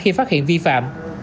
khi phát hiện vi phạm